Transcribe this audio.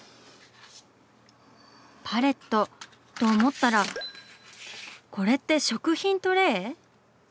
パレットと思ったらこれって食品トレー⁉